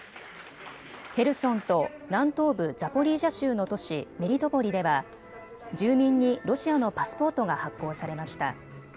へルソンと南東部ザポリージャ州の都市メリトポリでは住民にロシアのパスポートが発行されました。